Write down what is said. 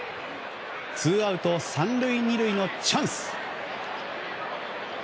ツーアウト３塁２塁のチャンス。